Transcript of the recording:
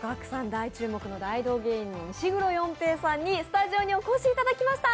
大注目の大道芸人の石黒ヨンペイさんにスタジオにお越しいただきました。